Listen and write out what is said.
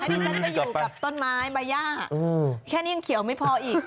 ดิฉันไปอยู่กับต้นไม้ใบย่าแค่นี้ยังเขียวไม่พออีก